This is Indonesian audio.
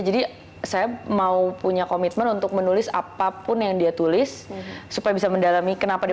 jadi saya mau punya komitmen untuk menulis apapun yang dia tulis supaya bisa mendalami kenapa dia